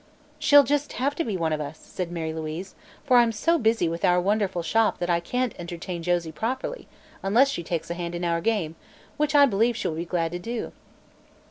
"She'll just have to be one of us," said Mary Louise, "for I'm so busy with our wonderful Shop that I can't entertain Josie properly unless she takes a hand in our game, which I believe she will be glad to do."